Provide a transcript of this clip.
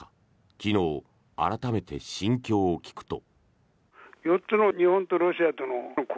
昨日、改めて心境を聞くと。